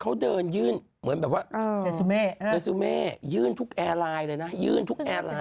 เขาเดินยื่นเหมือนแบบว่าอ่ายื่นทุกเลยนะยื่นทุกเลยแบบว่า